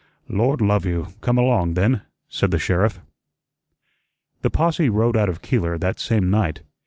"Lord love you, come along, then," said the sheriff. The posse rode out of Keeler that same night.